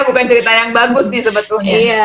bukan cerita yang bagus sih sebetulnya